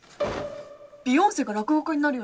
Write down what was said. ビヨンセが落語家になるようなもん？